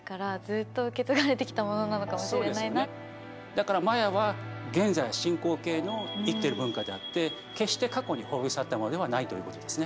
だからマヤは現在進行形の生きてる文化であって決して過去に滅び去ったものではないということですね。